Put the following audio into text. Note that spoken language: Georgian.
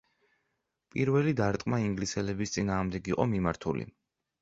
პირველი დარტყმა ინგლისელების წინააღმდეგ იყო მიმართული.